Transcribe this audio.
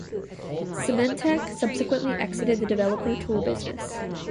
Symantec subsequently exited the developer tool business.